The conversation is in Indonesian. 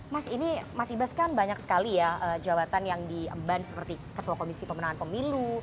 mas ibas kan banyak sekali ya jawatan yang diemban seperti ketua komisi pemenangan pemilu